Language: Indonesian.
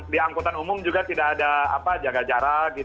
di angkutan umum juga tidak ada apa jaga jarak gitu ya